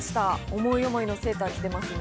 思い思いのセーターを着ていますね。